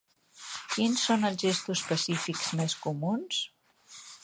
Quins són els gestos pacífics més comuns?